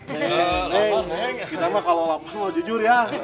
neng kita mah kalau lapar mau jujur ya